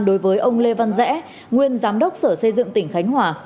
đối với ông lê văn rẽ nguyên giám đốc sở xây dựng tỉnh khánh hòa